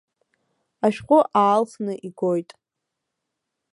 Ашәҟәы аалхны игоит.